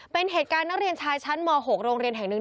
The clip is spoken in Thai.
เป็นเหตุการณ์นักเรียนชายชั้นม๖โรงเรียนแห่งหนึ่ง